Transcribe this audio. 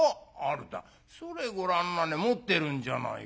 「それごらんなね持ってるんじゃないか。